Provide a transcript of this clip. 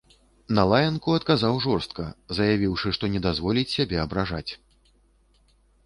На лаянку адказаў жорстка, заявіўшы, што не дазволіць сябе абражаць.